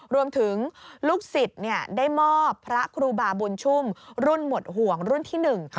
รวมถึงลูกศิษย์ได้มอบพระครูบาบุญชุ่มรุ่นหมดห่วงรุ่นที่หนึ่ง